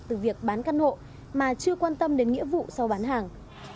từ việc bán căn hộ mà chưa quan tâm đến nghĩa vụ sau bán hàng